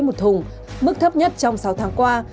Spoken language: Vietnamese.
một thùng mức thấp nhất trong sáu tháng qua